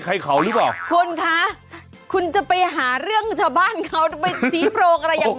ให้เขาหรือเปล่าคุณคะคุณจะไปหาเรื่องชาวบ้านเขาไปชี้โพรงอะไรยังไง